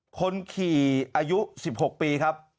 คนขี่อายุ๑๖ปีครับ